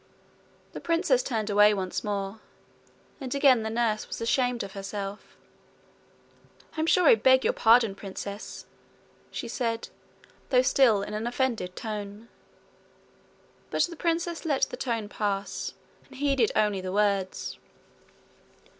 The princess turned away once more, and again the nurse was ashamed of herself. 'I'm sure I beg your pardon, princess,' she said, though still in an offended tone. But the princess let the tone pass, and heeded only the words.